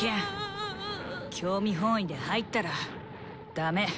興味本位で入ったらダメ。